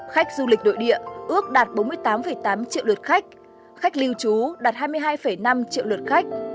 khách du lịch nội địa ước đạt bốn mươi tám tám triệu lượt khách khách lưu trú đạt hai mươi hai năm triệu lượt khách